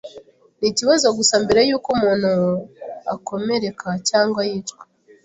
Ni ikibazo gusa mbere yuko umuntu akomereka cyangwa yicwa.